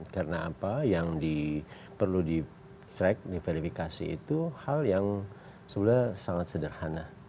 karena apa yang diperlu di strike di verifikasi itu hal yang sebenarnya sangat sederhana